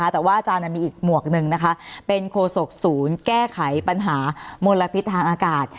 แต่ว่าอาจารย์มีอีกหมวกหนึ่งนะคะเป็นโคศกศูนย์แก้ไขปัญหามลพิษทางอากาศ